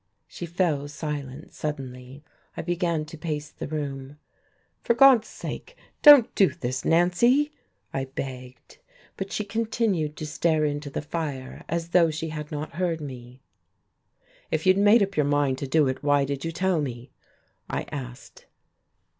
She fell silent suddenly. I began to pace the room. "For God's sake, don't do this, Nancy!" I begged. But she continued to stare into the fire, as though she had not heard me. "If you had made up your mind to do it, why did you tell me?" I asked.